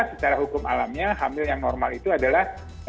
secara hukum alamnya hamil yang normal itu adalah